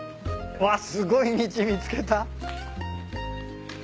わっすごい道見つけた。